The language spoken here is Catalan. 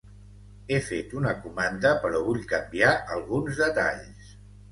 He fet una comanda però vull canviar alguns detalls.